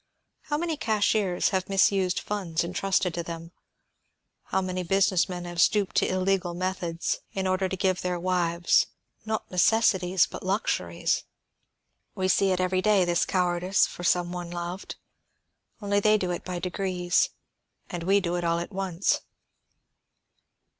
How many cashiers have misused funds entrusted to them, how many business men have stooped to illegal methods, in order to give their wives not necessities, but luxuries? We see it every day, this cowardice for some one loved. Only they do it by degrees, and we do it all at once."